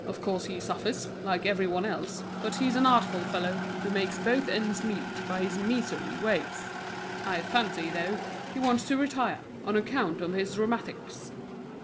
Of course he suffers, like every one else, but he's an artful fellow, who makes both ends meet by his miserly ways. I fancy, though, he wants to retire, on account of his rheumatics."